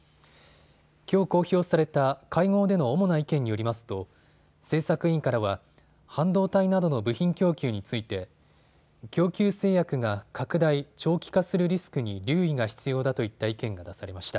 きょう公表された会合での主な意見によりますと政策委員からは半導体などの部品供給について供給制約が拡大・長期化するリスクに留意が必要だといった意見が出されました。